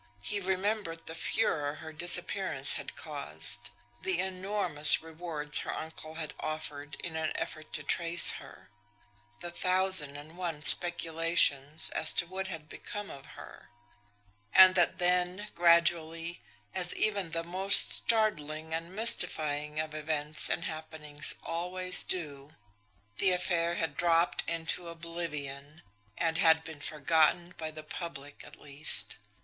He remembered the furor her disappearance had caused; the enormous rewards her uncle had offered in an effort to trace her; the thousand and one speculations as to what had become of her; and that then, gradually, as even the most startling and mystifying of events and happenings always do, the affair had dropped into oblivion and had been forgotten by the public at least.